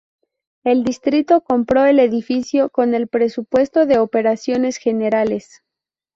El distrito compró el edificio con el presupuesto de operaciones generales.